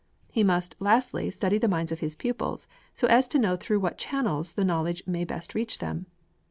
He must lastly study the minds of his pupils, so as to know through what channels the knowledge may best reach them.